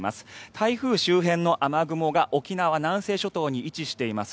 台風周辺の雨雲が沖縄、南西諸島に位置しています。